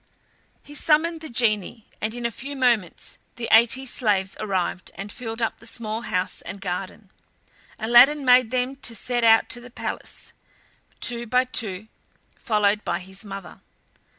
He summoned the genie, and in a few moments the eighty slaves arrived, and filled up the small house and garden. Aladdin made them to set out to the palace, two by two, followed by his mother.